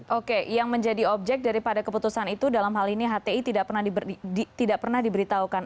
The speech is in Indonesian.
oke yang menjadi objek daripada keputusan itu dalam hal ini hti tidak pernah diberitahukan